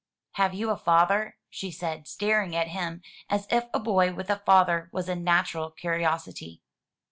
"Have you a father?" she said, staring at him as if a boy with a father was a natural curiosity.